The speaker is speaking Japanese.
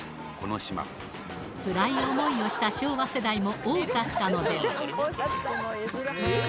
つらい思いをした昭和世代も多かったのでは？